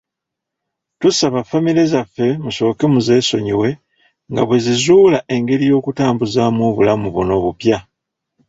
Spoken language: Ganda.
Tusaba famire zaffe musooke muzesonyiwe nga bwezizuula engeri y'okutambuzamu obulamu buno obupya.